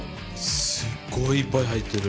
すごいいっぱい入ってる。